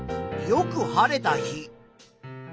よく晴れた日。